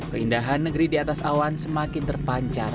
keindahan negeri di atas awan semakin terpancar